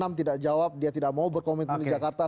enam tidak jawab dia tidak mau berkomitmen di jakarta